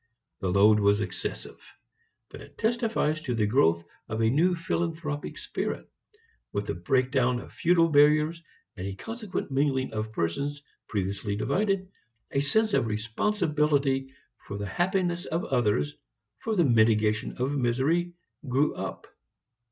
The load was excessive. But it testifies to the growth of a new philanthropic spirit. With the breaking down of feudal barriers and a consequent mingling of persons previously divided, a sense of responsibility for the happiness of others, for the mitigation of misery, grew up.